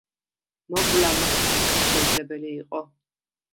მოკვლა მათი თითქმის შეუძლებელი იყო.